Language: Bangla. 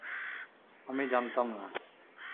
আমি জানতাম না।